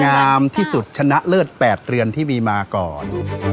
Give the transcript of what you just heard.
งามที่สุดชนะเลิศ๘เรือนที่มีมาก่อน